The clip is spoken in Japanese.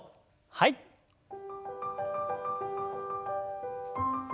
はい。